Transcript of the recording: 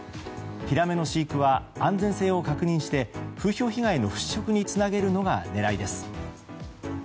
ヒラメの飼育は安全性を確認して風評被害の払拭につなげるのが狙いです。